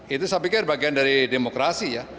itu saya pikir bagian dari demokrasi ya